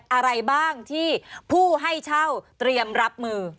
อะไรบ้างที่ผู้ให้เช่าเตรียมรับมือ